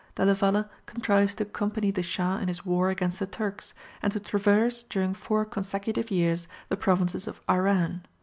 Della Valle contrives to accompany the Shah in his war against the Turks, and to traverse during four consecutive years the provinces of Iran.